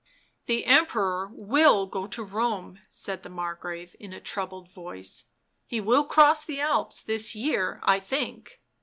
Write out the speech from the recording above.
" The Emperor will go to Rome," said the Margrave in a troubled voice. " He will cross the Alps this year, I think."